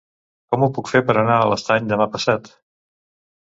Com ho puc fer per anar a l'Estany demà passat?